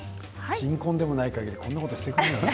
新婚でもないかぎりこんなことしてくれないよね。